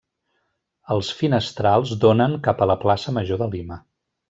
Els finestrals donen cap a la Plaça Major de Lima.